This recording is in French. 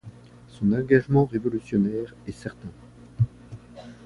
Son engagement révolutionnaire est certain.